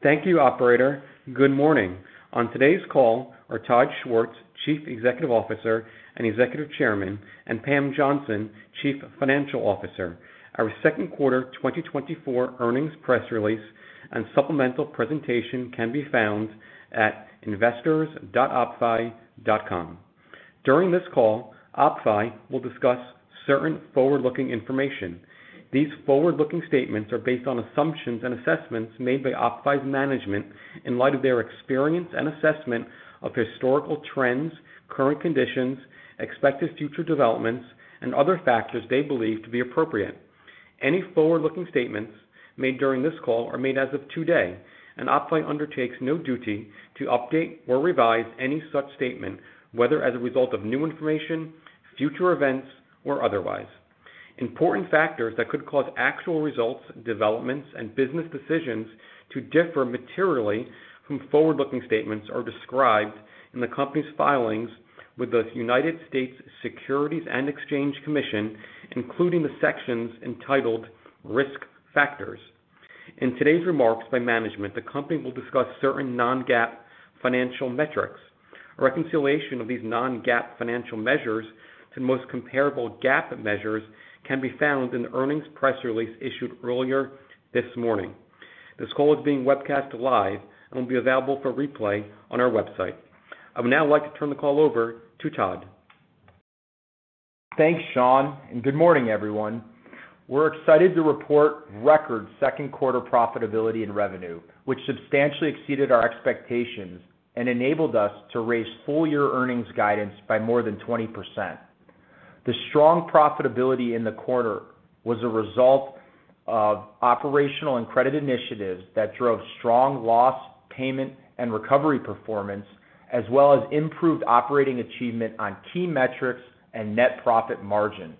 Thank you, Operator. Good morning. On today's call are Todd Schwartz, Chief Executive Officer and Executive Chairman, and Pam Johnson, Chief Financial Officer. Our Second Quarter 2024 Earnings Press Release and Supplemental Presentation can be found at investors.oppfi.com. During this call, OppFi will discuss certain forward-looking information. These forward-looking statements are based on assumptions and assessments made by OppFi's management in light of their experience and assessment of historical trends, current conditions, expected future developments, and other factors they believe to be appropriate. Any forward-looking statements made during this call are made as of today, and OppFi undertakes no duty to update or revise any such statement, whether as a result of new information, future events, or otherwise. Important factors that could cause actual results, developments, and business decisions to differ materially from forward-looking statements are described in the company's filings with the U.S. Securities and Exchange Commission, including the sections entitled Risk Factors. In today's remarks by management, the company will discuss certain non-GAAP financial metrics. A reconciliation of these non-GAAP financial measures to the most comparable GAAP measures can be found in the earnings press release issued earlier this morning. This call is being webcast live and will be available for replay on our website. I would now like to turn the call over to Todd. Thanks, Shaun, and good morning, everyone. We're excited to report record second quarter profitability and revenue, which substantially exceeded our expectations and enabled us to raise full-year earnings guidance by more than 20%. The strong profitability in the quarter was a result of operational and credit initiatives that drove strong loss, payment, and recovery performance, as well as improved operating achievement on key metrics and net profit margin.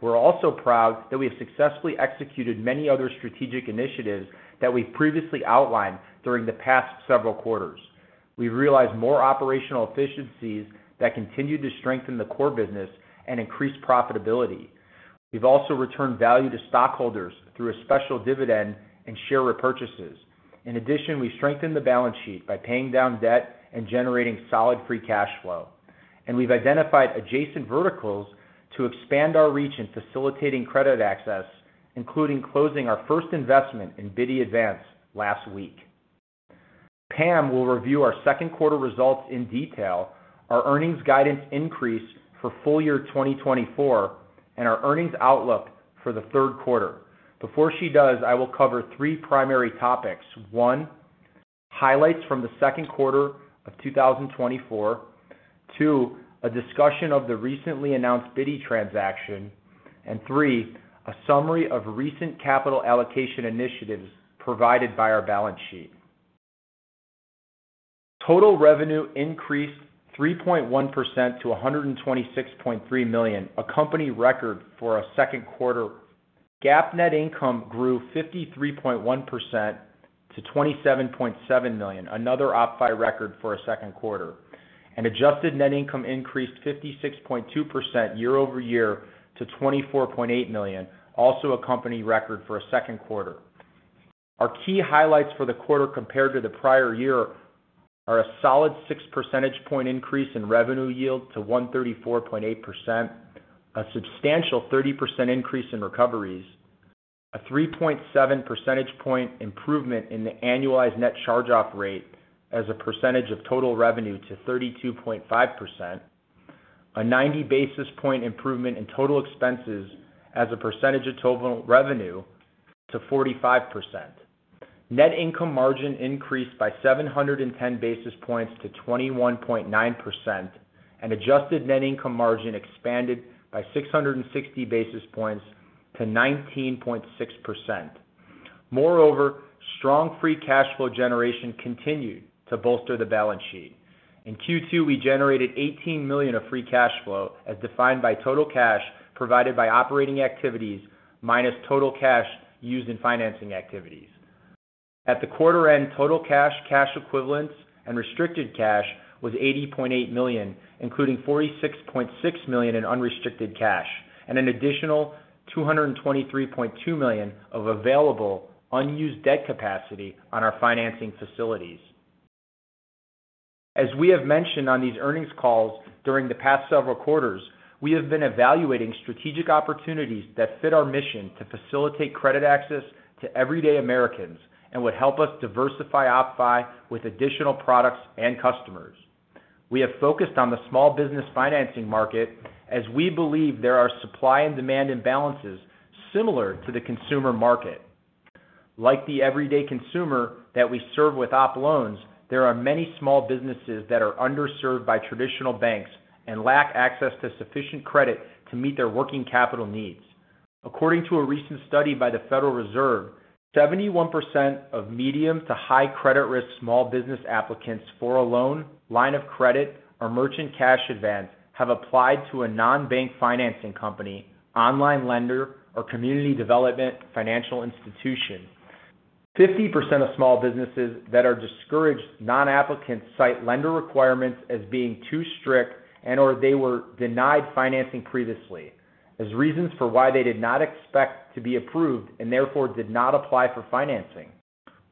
We're also proud that we have successfully executed many other strategic initiatives that we've previously outlined during the past several quarters. We've realized more operational efficiencies that continue to strengthen the core business and increase profitability. We've also returned value to stockholders through a special dividend and share repurchases. In addition, we strengthened the balance sheet by paying down debt and generating solid free cash flow. And we've identified adjacent verticals to expand our reach in facilitating credit access, including closing our first investment in Bitty Advance last week. Pam will review our second quarter results in detail, our earnings guidance increase for full year 2024, and our earnings outlook for the third quarter. Before she does, I will cover three primary topics. One, highlights from the second quarter of 2024. Two, a discussion of the recently announced Bitty transaction. And three, a summary of recent capital allocation initiatives provided by our balance sheet. Total revenue increased 3.1% to $126.3 million, a company record for a second quarter. GAAP net income grew 53.1% to $27.7 million, another OppFi record for a second quarter. Adjusted net income increased 56.2% year-over-year to $24.8 million, also a company record for a second quarter. Our key highlights for the quarter compared to the prior year are a solid 6 percentage point increase in revenue yield to 134.8%, a substantial 30% increase in recoveries, a 3.7 percentage point improvement in the annualized net charge-off rate as a percentage of total revenue to 32.5%, a 90 basis point improvement in total expenses as a percentage of total revenue to 45%. Net income margin increased by 710 basis points to 21.9%, and adjusted net income margin expanded by 660 basis points to 19.6%. Moreover, strong free cash flow generation continued to bolster the balance sheet. In Q2, we generated $18 million of free cash flow, as defined by total cash provided by operating activities minus total cash used in financing activities. At the quarter-end, total cash, cash equivalents, and restricted cash was $80.8 million, including $46.6 million in unrestricted cash and an additional $223.2 million of available unused debt capacity on our financing facilities. As we have mentioned on these earnings calls during the past several quarters, we have been evaluating strategic opportunities that fit our mission to facilitate credit access to everyday Americans and would help us diversify OppFi with additional products and customers. We have focused on the small business financing market, as we believe there are supply and demand imbalances similar to the consumer market. Like the everyday consumer that we serve with OppLoans, there are many small businesses that are underserved by traditional banks and lack access to sufficient credit to meet their working capital needs. According to a recent study by the Federal Reserve, 71% of medium- to high-credit-risk small business applicants for a loan, line of credit, or merchant cash advance have applied to a non-bank financing company, online lender, or community development financial institution. 50% of small businesses that are discouraged non-applicants cite lender requirements as being too strict and/or they were denied financing previously as reasons for why they did not expect to be approved and therefore did not apply for financing.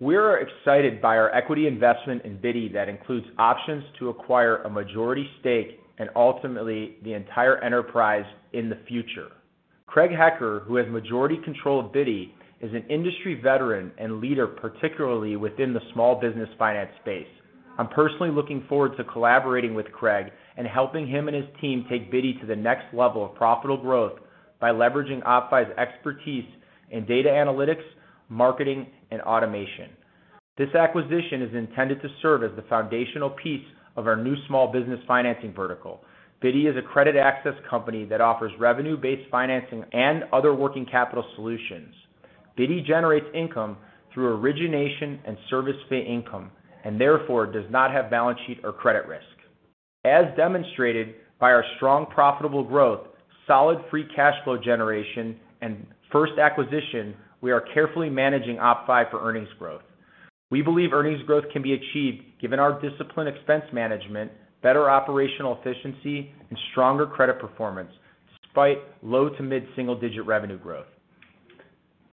We are excited by our equity investment in Bitty that includes options to acquire a majority stake and ultimately the entire enterprise in the future. Craig Hecker, who has majority control of Bitty, is an industry veteran and leader, particularly within the small business finance space. I'm personally looking forward to collaborating with Craig and helping him and his team take Bitty to the next level of profitable growth by leveraging OppFi's expertise in data analytics, marketing and automation. This acquisition is intended to serve as the foundational piece of our new small business financing vertical. Bitty is a credit access company that offers revenue-based financing and other working capital solutions. Bitty generates income through origination and service fee income, and therefore does not have balance sheet or credit risk. As demonstrated by our strong profitable growth, solid free cash flow generation and first acquisition, we are carefully managing OppFi for earnings growth. We believe earnings growth can be achieved given our disciplined expense management, better operational efficiency, and stronger credit performance, despite low to mid-single-digit revenue growth.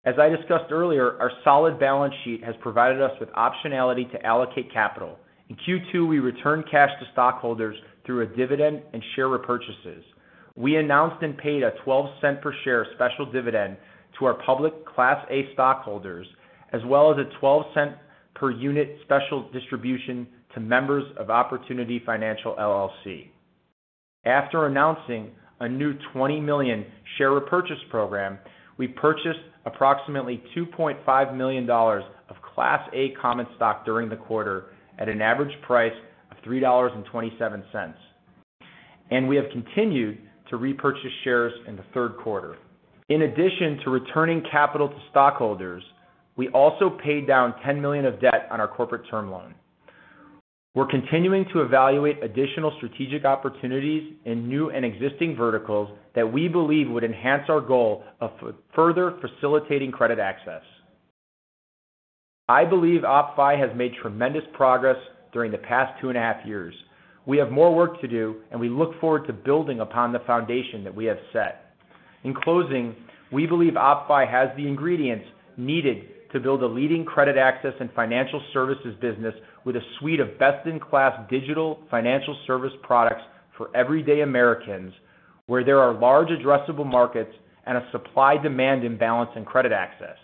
As I discussed earlier, our solid balance sheet has provided us with optionality to allocate capital. In Q2, we returned cash to stockholders through a dividend and share repurchases. We announced and paid a $0.12 per share special dividend to our public Class A stockholders, as well as a $0.12 cent per unit special distribution to members of Opportunity Financial, LLC. After announcing a new 20 million share repurchase program, we purchased approximately $2.5 million of Class A common stock during the quarter at an average price of $3.27, and we have continued to repurchase shares in the third quarter. In addition to returning capital to stockholders, we also paid down $10 million of debt on our corporate term loan. We're continuing to evaluate additional strategic opportunities in new and existing verticals that we believe would enhance our goal of further facilitating credit access. I believe OppFi has made tremendous progress during the past two and a half years. We have more work to do, and we look forward to building upon the foundation that we have set. In closing, we believe OppFi has the ingredients needed to build a leading credit access and financial services business with a suite of best-in-class digital financial service products for everyday Americans, where there are large addressable markets and a supply-demand imbalance in credit access.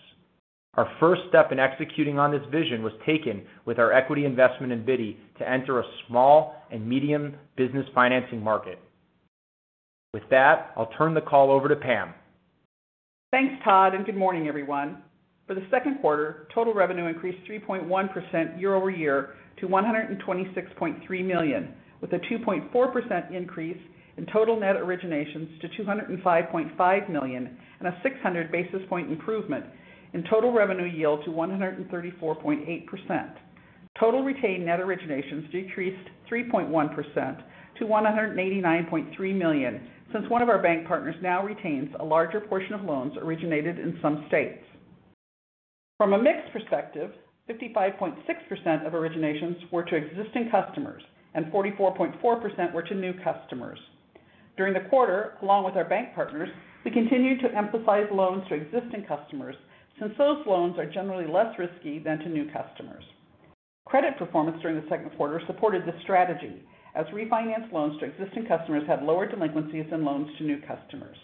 Our first step in executing on this vision was taken with our equity investment in Bitty to enter a small and medium business financing market. With that, I'll turn the call over to Pam. Thanks, Todd, and good morning, everyone. For the second quarter, total revenue increased 3.1% year-over-year to $126.3 million, with a 2.4% increase in total net originations to $205.5 million and a 600 basis point improvement in total revenue yield to 134.8%. Total retained net originations decreased 3.1% to $189.3 million, since one of our bank partners now retains a larger portion of loans originated in some states. From a mix perspective, 55.6% of originations were to existing customers and 44.4% were to new customers. During the quarter, along with our bank partners, we continued to emphasize loans to existing customers, since those loans are generally less risky than to new customers. Credit performance during the second quarter supported this strategy, as refinance loans to existing customers had lower delinquencies than loans to new customers.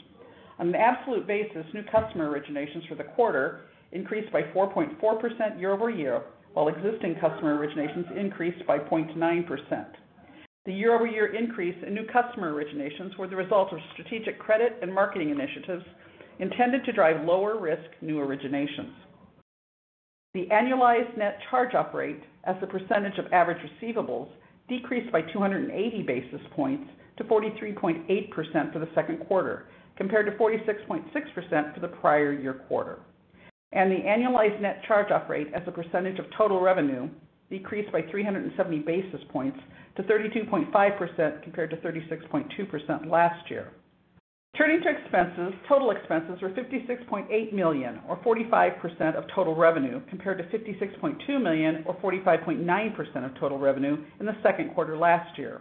On an absolute basis, new customer originations for the quarter increased by 4.4% year-over-year, while existing customer originations increased by 0.9%. The year-over-year increase in new customer originations were the result of strategic credit and marketing initiatives intended to drive lower-risk new originations. The annualized net charge-off rate, as a percentage of average receivables, decreased by 280 basis points to 43.8% for the second quarter, compared to 46.6% for the prior year quarter. The annualized net charge-off rate, as a percentage of total revenue, decreased by 370 basis points to 32.5%, compared to 36.2% last year. Turning to expenses, total expenses were $56.8 million, or 45% of total revenue, compared to $56.2 million or 45.9% of total revenue in the second quarter last year.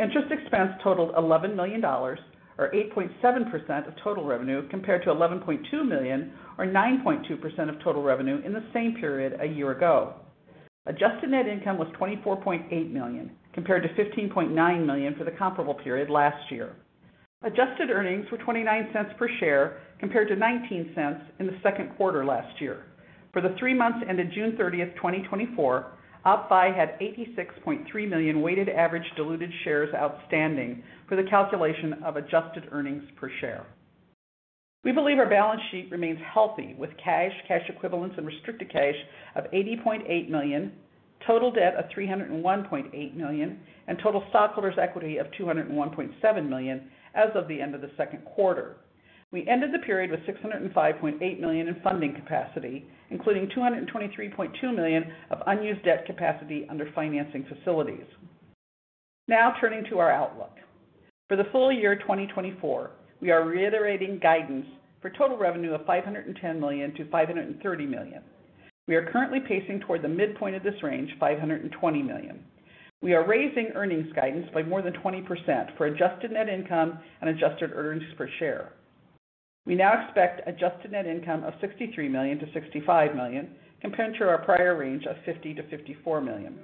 Interest expense totaled $11 million, or 8.7% of total revenue, compared to $11.2 million, or 9.2% of total revenue in the same period a year ago. Adjusted net income was $24.8 million, compared to $15.9 million for the comparable period last year. Adjusted earnings were $0.29 per share, compared to $0.19 in the second quarter last year. For the three months ended June 30th, 2024, OppFi had 86.3 million weighted average diluted shares outstanding for the calculation of adjusted earnings per share. We believe our balance sheet remains healthy, with cash, cash equivalents, and restricted cash of $80.8 million, total debt of $301.8 million, and total stockholders equity of $201.7 million as of the end of the second quarter. We ended the period with $605.8 million in funding capacity, including $223.2 million of unused debt capacity under financing facilities. Now, turning to our outlook. For the full year 2024, we are reiterating guidance for total revenue of $510 million-$530 million. We are currently pacing toward the midpoint of this range, $520 million.... We are raising earnings guidance by more than 20% for adjusted net income and adjusted earnings per share. We now expect adjusted net income of $63 million-$65 million, compared to our prior range of $50 million-$54 million.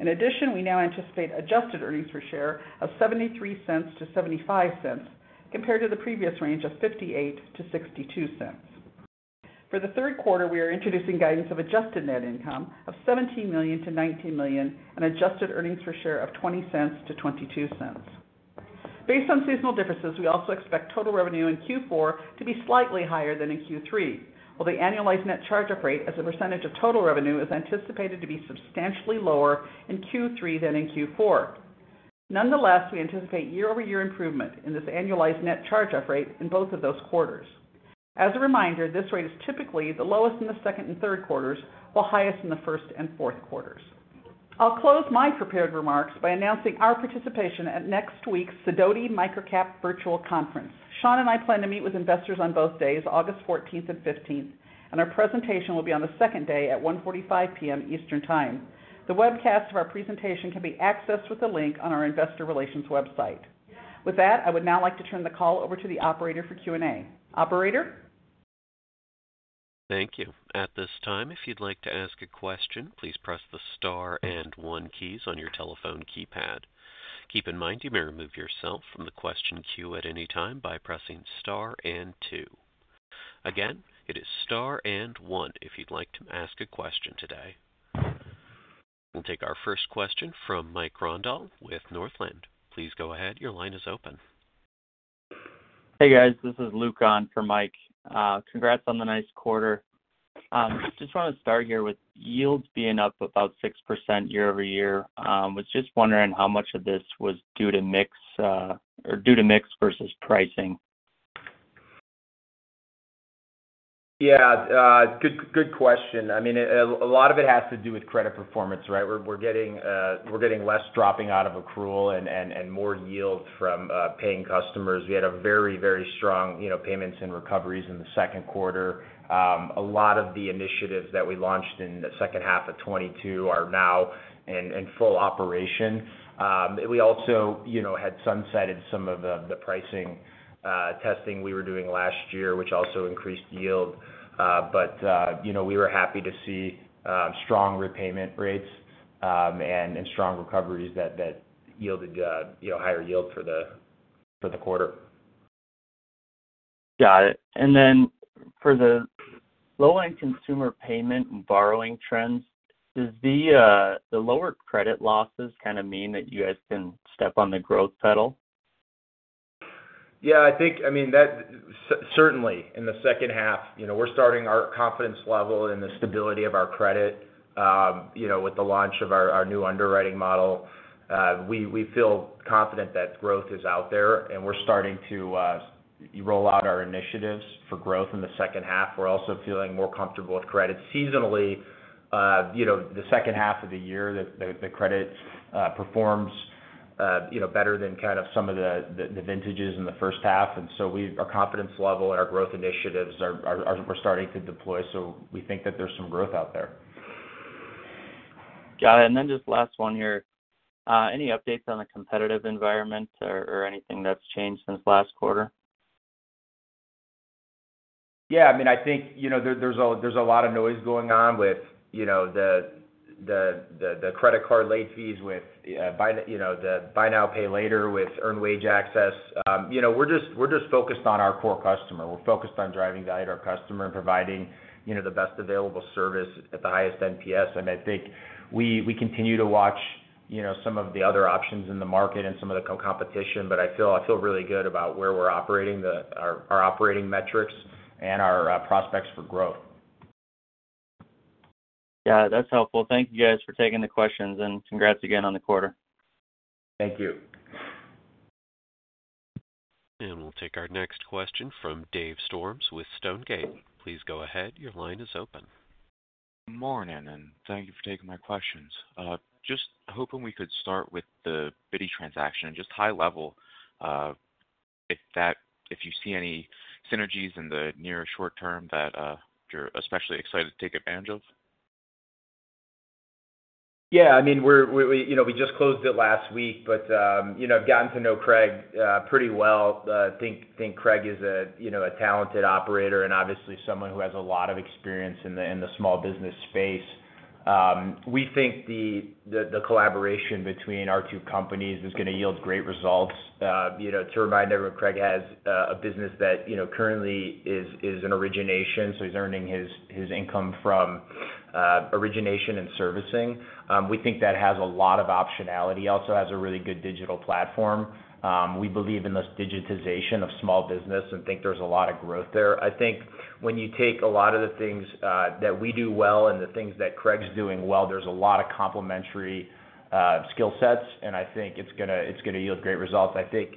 In addition, we now anticipate adjusted earnings per share of $0.73-$0.75, compared to the previous range of $0.58-$0.62. For the third quarter, we are introducing guidance of adjusted net income of $17 million-$19 million, and adjusted earnings per share of $0.20-$0.22. Based on seasonal differences, we also expect total revenue in Q4 to be slightly higher than in Q3, while the annualized net charge-off rate as a percentage of total revenue is anticipated to be substantially lower in Q3 than in Q4. Nonetheless, we anticipate year-over-year improvement in this annualized net charge-off rate in both of those quarters. As a reminder, this rate is typically the lowest in the second and third quarters, while highest in the first and fourth quarters. I'll close my prepared remarks by announcing our participation at next week's Sidoti MicroCap Virtual Conference. Shaun and I plan to meet with investors on both days, August fourteenth and fifteenth, and our presentation will be on the second day at 1:45 P.M. Eastern Time. The webcast of our presentation can be accessed with a link on our investor relations website. With that, I would now like to turn the call over to the operator for Q&A. Operator? Thank you. At this time, if you'd like to ask a question, please press the star and one keys on your telephone keypad. Keep in mind, you may remove yourself from the question queue at any time by pressing star and two. Again, it is star and one, if you'd like to ask a question today. We'll take our first question from Mike Grondahl with Northland. Please go ahead. Your line is open. Hey, guys, this is Luke on for Mike. Congrats on the nice quarter. Just want to start here with yields being up about 6% year-over-year. Was just wondering how much of this was due to mix, or due to mix versus pricing? Yeah, good, good question. I mean, a lot of it has to do with credit performance, right? We're getting less dropping out of accrual and more yield from paying customers. We had a very, very strong, you know, payments and recoveries in the second quarter. A lot of the initiatives that we launched in the second half of 2022 are now in full operation. We also, you know, had sunsetted some of the pricing testing we were doing last year, which also increased yield. But, you know, we were happy to see strong repayment rates and strong recoveries that yielded, you know, higher yields for the quarter. Got it. And then for the low-end consumer payment and borrowing trends, does the lower credit losses kind of mean that you guys can step on the growth pedal? Yeah, I think, I mean, that certainly in the second half, you know, we're starting our confidence level and the stability of our credit, you know, with the launch of our new underwriting model. We feel confident that growth is out there, and we're starting to roll out our initiatives for growth in the second half. We're also feeling more comfortable with credit. Seasonally, you know, the second half of the year, the credit performs, you know, better than kind of some of the vintages in the first half, and so our confidence level and our growth initiatives are starting to deploy. So we think that there's some growth out there. Got it. And then just last one here. Any updates on the competitive environment or, or anything that's changed since last quarter? Yeah, I mean, I think, you know, there, there's a lot of noise going on with, you know, the credit card late fees with buy now, pay later, with earned wage access. You know, we're just focused on our core customer. We're focused on driving value to our customer and providing, you know, the best available service at the highest NPS. And I think we continue to watch, you know, some of the other options in the market and some of the co-competition, but I feel really good about where we're operating our operating metrics and our prospects for growth. Yeah, that's helpful. Thank you guys for taking the questions, and congrats again on the quarter. Thank you. We'll take our next question from Dave Storms with Stonegate. Please go ahead. Your line is open. Morning, and thank you for taking my questions. Just hoping we could start with the Bitty transaction, and just high level, if you see any synergies in the near short term that, you're especially excited to take advantage of? Yeah, I mean, we're you know we just closed it last week, but you know I've gotten to know Craig pretty well. Think Craig is a you know a talented operator and obviously someone who has a lot of experience in the small business space. We think the collaboration between our two companies is gonna yield great results. You know, to remind everyone, Craig has a business that you know currently is an origination, so he's earning his income from origination and servicing. We think that has a lot of optionality, also has a really good digital platform. We believe in this digitization of small business and think there's a lot of growth there. I think when you take a lot of the things, that we do well and the things that Craig's doing well, there's a lot of complementary, skill sets, and I think it's gonna, it's gonna yield great results. I think,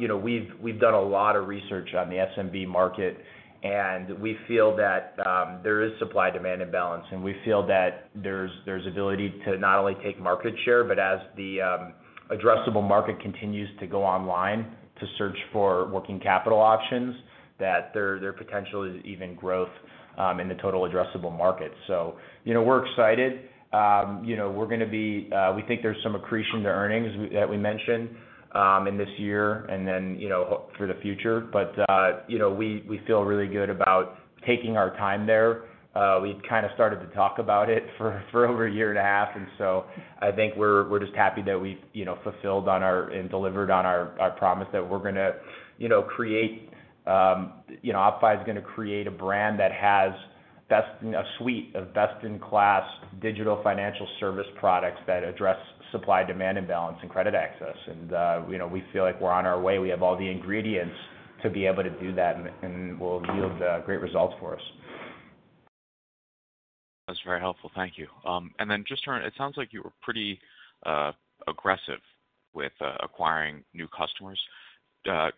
you know, we've, we've done a lot of research on the SMB market, and we feel that, there is supply-demand imbalance, and we feel that there's, there's ability to not only take market share, but as the, addressable market continues to go online to search for working capital options, that there, there potentially is even growth, in the total addressable market. So, you know, we're excited. You know, we're gonna be... We think there's some accretion to earnings we, that we mentioned, in this year and then, you know, for the future. But, you know, we feel really good about taking our time there. We've kind of started to talk about it for over a year and a half, and so I think we're just happy that we've, you know, fulfilled on our, and delivered on our promise that we're gonna, you know, create... You know, OppFi is gonna create a brand that has best, a suite of best-in-class digital financial service products that address supply-demand imbalance and credit access. And, you know, we feel like we're on our way. We have all the ingredients to be able to do that, and will yield great results for us. That's very helpful. Thank you. And then it sounds like you were pretty aggressive with acquiring new customers.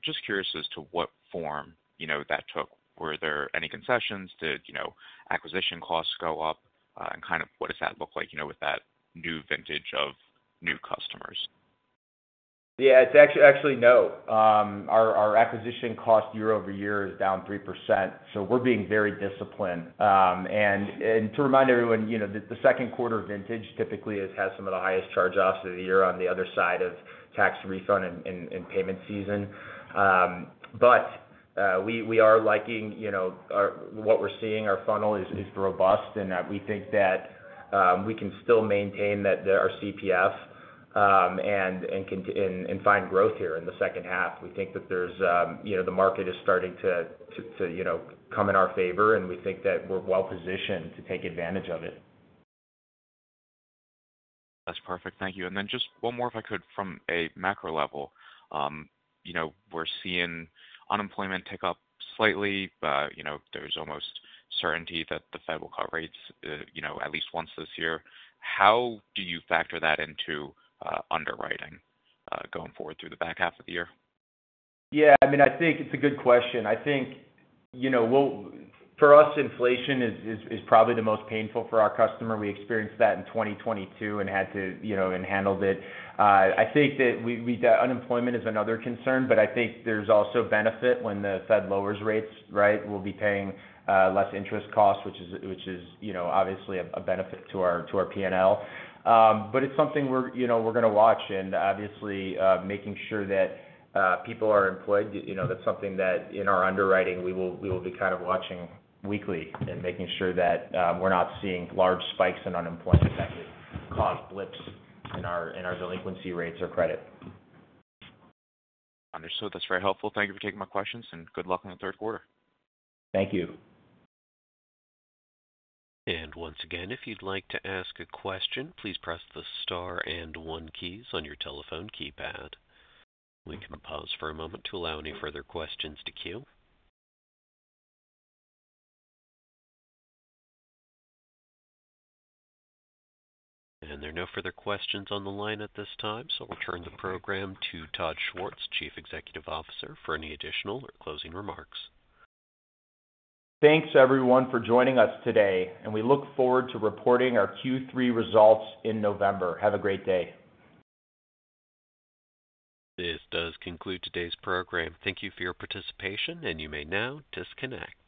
Just curious as to what form, you know, that took. Were there any concessions? Did, you know, acquisition costs go up? And kind of what does that look like, you know, with that new vintage of new customers? Yeah, it's actually no. Our acquisition cost year-over-year is down 3%, so we're being very disciplined. And to remind everyone, you know, the second quarter vintage typically has some of the highest charge-offs of the year on the other side of tax refund and payment season. But we are liking, you know, our... What we're seeing, our funnel is robust, and we think that we can still maintain that our CPS and continue and find growth here in the second half. We think that there's, you know, the market is starting to, you know, come in our favor, and we think that we're well positioned to take advantage of it. That's perfect. Thank you. And then just one more, if I could, from a macro level. You know, we're seeing unemployment tick up slightly, but, you know, there's almost certainty that the Fed will cut rates, you know, at least once this year. How do you factor that into underwriting going forward through the back half of the year? Yeah, I mean, I think it's a good question. I think, you know, we'll—for us, inflation is probably the most painful for our customer. We experienced that in 2022 and had to, you know, and handled it. I think that unemployment is another concern, but I think there's also benefit when the Fed lowers rates, right? We'll be paying less interest costs, which is, you know, obviously a benefit to our PNL. But it's something we're, you know, gonna watch and obviously making sure that people are employed, you know, that's something that in our underwriting, we will be kind of watching weekly and making sure that we're not seeing large spikes in unemployment that could cause blips in our delinquency rates or credit. Understood. That's very helpful. Thank you for taking my questions, and good luck on the third quarter. Thank you. Once again, if you'd like to ask a question, please press the star and one keys on your telephone keypad. We can pause for a moment to allow any further questions to queue. There are no further questions on the line at this time, so I'll turn the program to Todd Schwartz, Chief Executive Officer, for any additional or closing remarks. Thanks, everyone, for joining us today, and we look forward to reporting our Q3 results in November. Have a great day. This does conclude today's program. Thank you for your participation, and you may now disconnect.